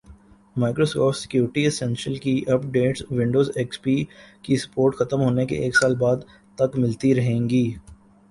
Microsoft security essentials کی updates Windows X P کی support ختم ہونے کے ایک سال بعد تک ملتی رہیں گی